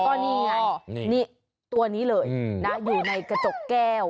ก็นี่ไงนี่ตัวนี้เลยนะอยู่ในกระจกแก้ว